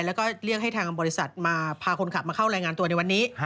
แล้วก็เรียกให้ทางบริษัทมาพาคนขับมาเข้ารายงานตัวในวันนี้